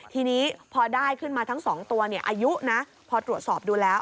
ทีนี้พอได้ขึ้นมาทั้ง๒ตัวอายุนะพอตรวจสอบดูแล้ว